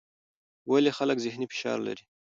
ولې خلک ذهني فشار لري؟